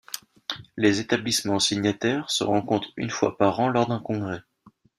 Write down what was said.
Les établissements signataires se rencontrent une fois par an lors d'un congrès.